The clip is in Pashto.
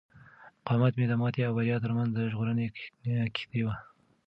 مقاومت مې د ماتې او بریا ترمنځ د ژغورنې کښتۍ وه.